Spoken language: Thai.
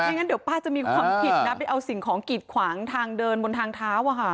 งั้นเดี๋ยวป้าจะมีความผิดนะไปเอาสิ่งของกีดขวางทางเดินบนทางเท้า